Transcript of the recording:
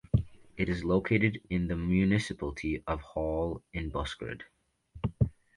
It is located in the municipality of Hol in Buskerud.